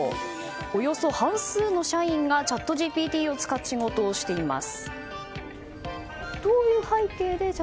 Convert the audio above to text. およそ半数の社員がチャットＧＰＴを使って仕事をしています。